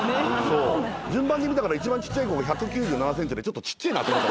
順番に見たから一番ちっちゃい子も１９７ｃｍでちょっとちっちぇえなと思った。